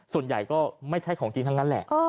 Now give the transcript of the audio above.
ส่วนใหญ่ก็ไม่ใช่ของจริงทั้งนั้นแหละ